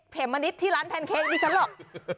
มะนิดที่ร้านแพนเค้กดิฉันหรอก